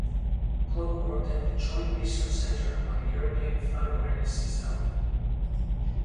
Cloke worked at the Joint Research Centre on the European Flood Awareness System.